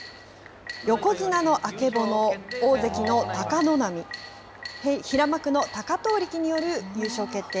横綱の曙、大関の貴ノ浪、平幕の貴闘力による優勝決定